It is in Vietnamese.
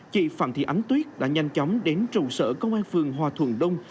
chị phạm thị ánh tuyết đã nhanh chóng đến trụ sở công an phường hòa thuận đông